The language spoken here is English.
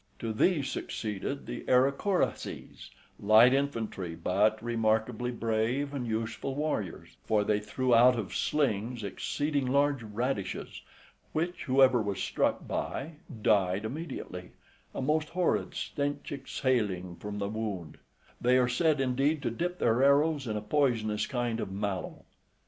To these succeeded the Aerocoraces, {87b} light infantry, but remarkably brave and useful warriors, for they threw out of slings exceeding large radishes, which whoever was struck by, died immediately, a most horrid stench exhaling from the wound; they are said, indeed, to dip their arrows in a poisonous kind of mallow.